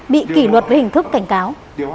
bị kỷ luật bằng hình thức cảnh cáo